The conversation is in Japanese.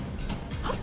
はっ？